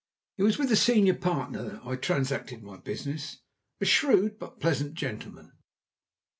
It was with the senior partner I transacted my business; a shrewd but pleasant gentleman.